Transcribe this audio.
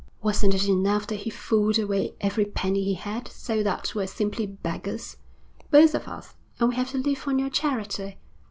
'Wasn't it enough that he fooled away every penny he had, so that we're simply beggars, both of us, and we have to live on your charity?